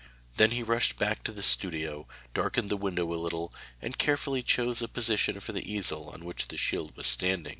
Then he rushed back to the studio, darkened the window a little, and carefully chose a position for the easel on which the shield was standing.